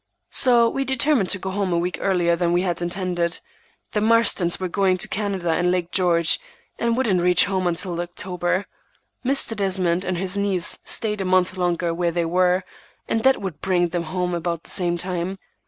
So we determined to go home a week earlier than we had intended. The Marstons were going to Canada and Lake George, and wouldn't reach home till October. Mr. Desmond and his niece stayed a month longer where they were, and that would bring them home about the same time.